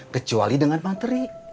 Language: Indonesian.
kecuali dengan materi